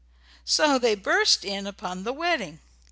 So they burst in upon the wedding.